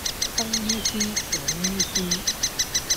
生於斯，長於斯